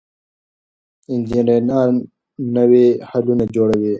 انجنیران نوي حلونه جوړوي.